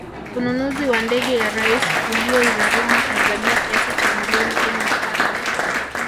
Ununuzi wa ndege ya Rais ulioigharimu Tanzania kiasi cha milioni kumi na tano